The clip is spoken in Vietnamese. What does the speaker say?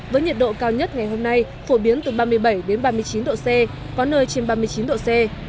với nhiệt độ cao nhất ngày hôm nay phổ biến từ ba mươi bảy đến ba mươi chín độ c có nơi trên ba mươi chín độ c